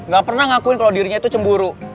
ga pernah ngakuin kalo dirinya itu cemburu